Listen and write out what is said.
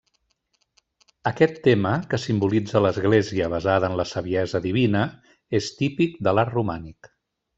Aquest tema, que simbolitza l'Església basada en la saviesa divina, és típic de l'art romànic.